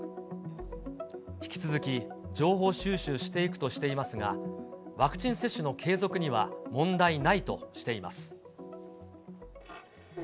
引き続き情報収集していくとしていますが、ワクチン接種の継続には問題ないとしています。